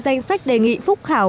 danh sách đề nghị phúc khảo